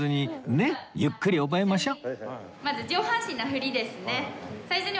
ねっゆっくり覚えましょう